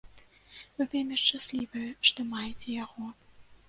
Вы вельмі шчаслівыя, што маеце яго.